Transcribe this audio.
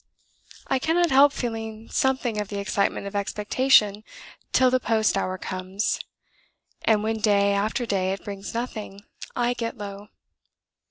... I cannot help feeling something of the excitement of expectation till the post hour comes, and when, day after day, it brings nothing, I get low.